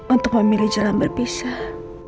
untuk memilih jalan berpisah